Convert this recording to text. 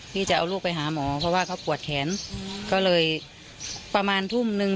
จะเอาลูกไปหาหมอเพราะว่าเขาปวดแขนก็เลยประมาณทุ่มนึง